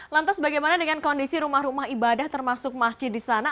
lantas bagaimana dengan kondisi rumah rumah ibadah termasuk masjid di sana